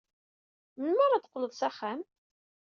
Melmi ara d-teqqleḍ s axxam?